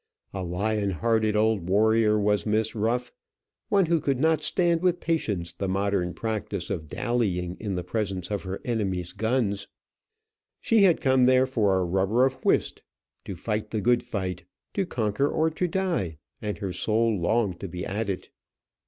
A lion hearted old warrior was Miss Ruff, one who could not stand with patience the modern practice of dallying in the presence of her enemies' guns. She had come there for a rubber of whist to fight the good fight to conquer or to die, and her soul longed to be at it.